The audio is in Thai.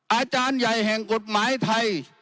อาจารย์ใหญ่แห่งกฎหมายไทย